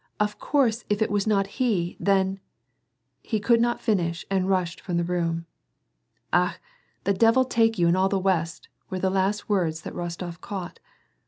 Of course if it was not he, then "— He could not finish and rushed from the room. " Akh ! the devil take you and all the w'est," were the last words that Eostof caught.